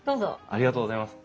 ありがとうございます。